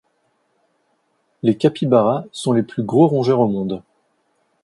Les capybaras sont les plus gros rongeurs au monde